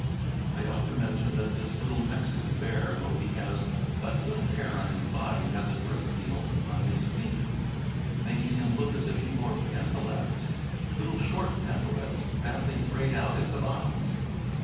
I ought to mention that this little Mexican bear, though he has but little hair on his body, has a great deal on his feet, making him look as if he wore pantalets, little short pantalets badly frayed out at the bottoms.